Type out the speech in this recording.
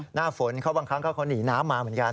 หน้าฝนเขาบางครั้งก็เขาหนีน้ำมาเหมือนกัน